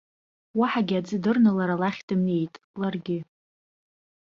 Уаҳагьы аӡы дырны лара лахь дымнеит, ларгьы.